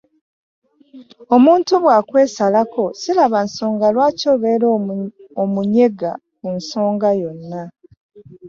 Omuntu bw'akwesalako siraba nsonga lwaki obeera omunyega ku nsonga yonna.